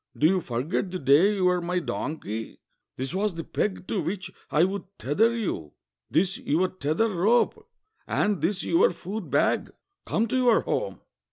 Do you forget the day you were my donkey? This was the peg to which I would tether you, this your tether rope, and this your food bag; come to your home!"